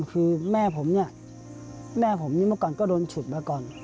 คือแม่ผมเนี่ยแม่ผมนี่เมื่อก่อนก็โดนฉุดมาก่อน